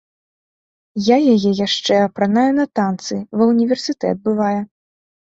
Я яе яшчэ апранаю на танцы, ва ўніверсітэт бывае.